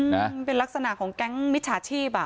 มันเป็นลักษณะของแก๊งมิจฉาชีพ